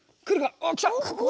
あっきた！